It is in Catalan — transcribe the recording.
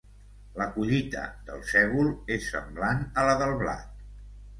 La collita del sègol és semblant a la del blat.